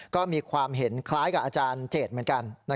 ก็มีความเห็นคล้ายกับอาจารย์เจตเหมือนกัน